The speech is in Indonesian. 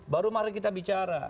baru mari kita bicara